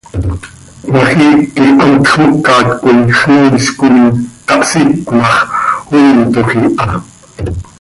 Cmajiic quih hantx mocat coi xnoois coi tahsíc ma x, oiitoj iha.